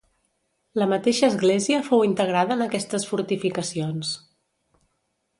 La mateixa església fou integrada en aquestes fortificacions.